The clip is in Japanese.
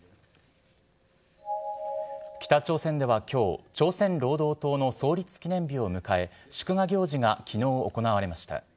北朝鮮ではきょう、朝鮮労働党の創立記念日を迎え、祝賀行事がきのう行われました。